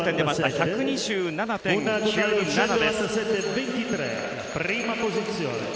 １２７．９７です。